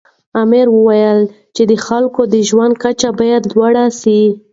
امر وویل چې د خلکو د ژوند کچه باید لوړه سي.